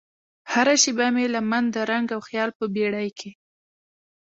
هره شیبه مې لمن د رنګ او خیال په بیړۍ کې